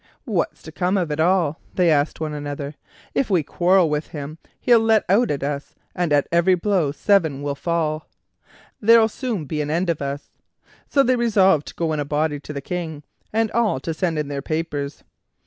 "What's to come of it all?" they asked one another; "if we quarrel with him, he'll let out at us, and at every blow seven will fall. There'll soon be an end of us." So they resolved to go in a body to the King, and all to send in their papers.